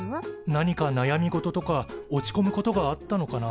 なにかなやみ事とか落ちこむことがあったのかなあ？